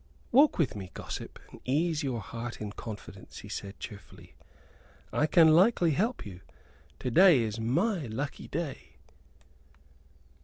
"Walk with me, gossip, and ease your heart in confidence," he said, cheerfully. "I can likely help you. To day is my lucky day."